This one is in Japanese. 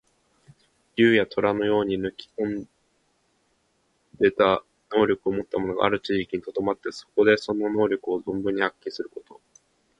竜や、とらのように抜きんでた能力をもった者がある地域にとどまって、そこでその能力を存分に発揮すること。